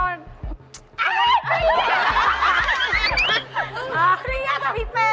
อ้ายยยยยยฮี่ยยยเนี้ยแผง